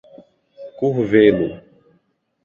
Curvelo